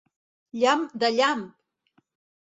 Llamp de llamp!